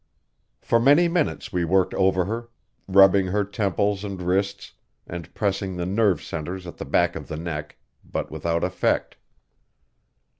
For many minutes we worked over her, rubbing her temples and wrists, and pressing the nerve centers at the back of the neck, but without effect.